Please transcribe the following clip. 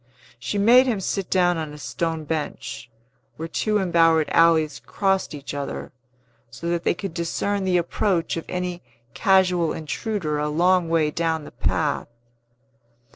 She made him sit down on a stone bench, where two embowered alleys crossed each other; so that they could discern the approach of any casual intruder a long way down the path.